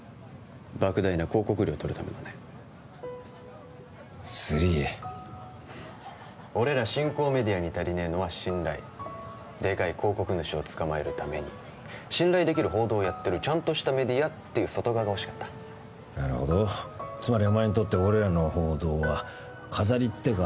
莫大な広告料取るためのね釣り餌俺ら新興メディアに足りねえのは信頼デカい広告主を捕まえるために信頼できる報道やってるちゃんとしたメディアっていう外側が欲しかったなるほどつまりお前にとって俺らの報道は飾りってか？